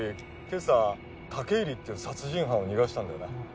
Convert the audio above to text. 今朝武入っていう殺人犯を逃がしたんだよな